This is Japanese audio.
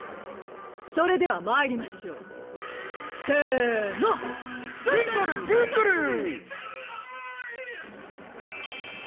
それではまいりましょうせのブンドルブンドルー！